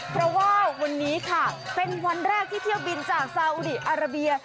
เพราะว่าวันนี้ค่ะเป็นวันแรกที่เที่ยวบินจากซาอุดีอาราเบีย